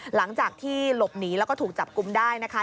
หลังจากที่หลบหนีแล้วก็ถูกจับกลุ่มได้นะคะ